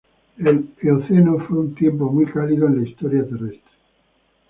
El Eoceno fue un tiempo muy cálido en la historia terrestre.